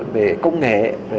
về công nghệ